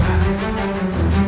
jangan berdiri di sini